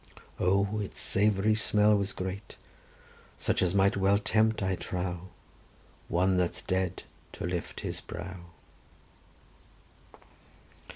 "O its savoury smell was great, Such as might well tempt, I trow, One that's dead to lift his brow."